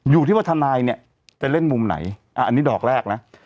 อยู่ที่วัฒนายจะเล่นมุมไหนอันนี้ดอกแรกนะ